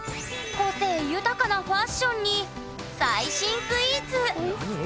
個性豊かなファッションに最新スイーツ。